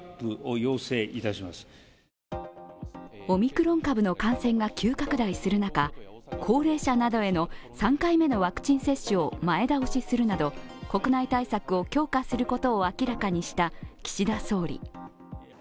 オミクロン株の感染が急拡大する中、高齢者などへの３回目のワクチン接種を前倒しするなど国内対策を強化することを明らかにした岸田総理。